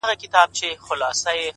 o پر وظیفه عسکر ولاړ دی تلاوت کوي؛